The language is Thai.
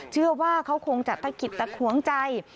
เชื่อว่าเขาคงจะตะกิดตะขวงใจ